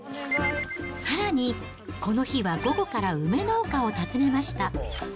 さらに、この日は午後から梅農家を訪ねました。